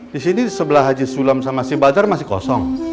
disini sebelah haji sulam sama si badar masih kosong